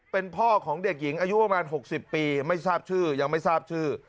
เป็นพ่อของเด็กหญิงอายุประมาณ๖๐ปีไม่ทราบชื่อยังไม่ทราบชื่อ